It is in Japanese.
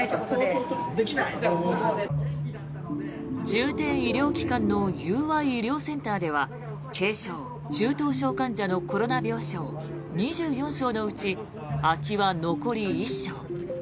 重点医療機関の友愛医療センターでは軽症・中等症患者のコロナ病床２４床のうち空きは残り１床。